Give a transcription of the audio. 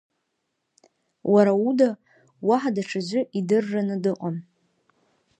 Уара уда уаҳа даҽаӡәы идырраны дыҟам.